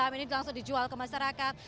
ini langsung dijual ke masyarakat